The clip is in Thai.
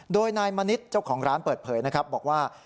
โดยนายมณิษฐ์เจ้าของร้านเปิดเผยนะครับบอกว่า